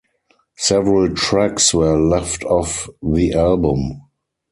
Several tracks were left off the album.